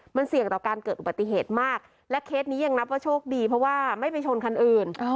มันเสี่ยงต่อการเกิดอุบัติเหตุมากและเคสนี้ยังนับว่าโชคดีเพราะว่าไม่ไปชนคันอื่น